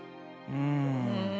うん。